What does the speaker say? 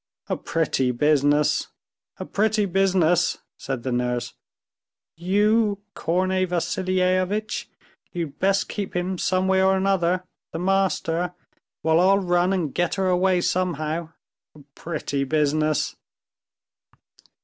"A pretty business, a pretty business!" said the nurse. "You, Korney Vassilievitch, you'd best keep him some way or other, the master, while I'll run and get her away somehow. A pretty business!"